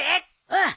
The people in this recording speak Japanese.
ああ！